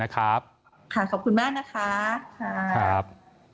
ขอบคุณครับ